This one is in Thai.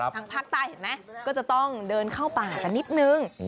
ทางภาคใต้เห็นไหมก็จะต้องเดินเข้าป่ากันนิดนึง